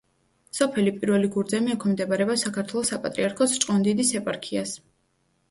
სოფელი პირველი გურძემი ექვემდებარება საქართველოს საპატრიარქოს ჭყონდიდის ეპარქიას.